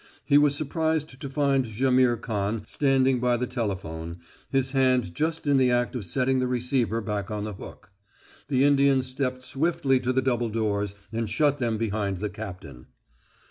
He was surprised to find Jaimihr Khan standing by the telephone, his hand just in the act of setting the receiver back on the hook. The Indian stepped swiftly to the double doors and shut them behind the captain.